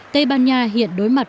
tây ban nha hiện đối mặt